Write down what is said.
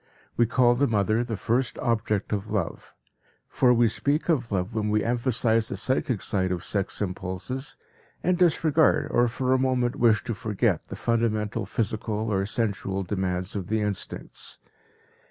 We call the mother the first object of love. For we speak of love when we emphasize the psychic side of sex impulses, and disregard or for a moment wish to forget the fundamental physical or "sensual" demands of the instincts.